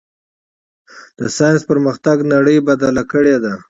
د ساینس پرمختګ نړۍ بدله کړې ده.